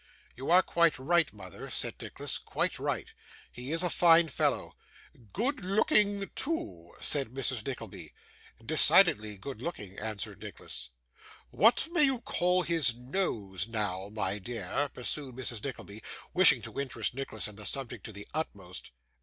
'You are quite right, mother,' said Nicholas, 'quite right. He is a fine fellow.' 'Good looking, too,' said Mrs. Nickleby. 'Decidedly good looking,' answered Nicholas. 'What may you call his nose, now, my dear?' pursued Mrs. Nickleby, wishing to interest Nicholas in the subject to the utmost.